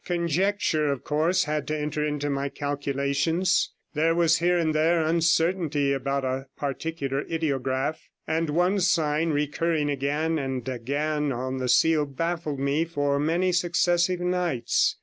Conjucture, of course, had to enter into my calculations; there was here and there uncertainty about a particular ideograph, and one sign recurring again and again on the seal baffled me for many successive nights.